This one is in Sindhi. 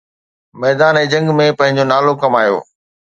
ميدان جنگ ۾ پنهنجو نالو ڪمايو.